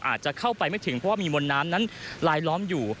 อาจจะเข้าไปไม่ถึงเพราะว่ามีมวลน้ำนั้นลายล้อมอยู่